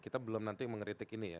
kita belum nanti mengeritik ini ya